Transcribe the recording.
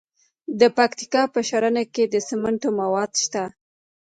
د پکتیکا په ښرنه کې د سمنټو مواد شته.